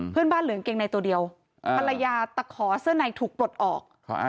เหลืองเกงในตัวเดียวภรรยาตะขอเสื้อในถูกปลดออก